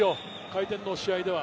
回転の試合では。